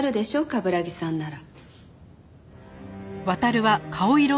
冠城さんなら。